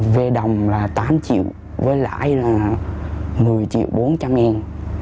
v đồng là tám triệu với lãi là một mươi triệu bốn trăm linh ngàn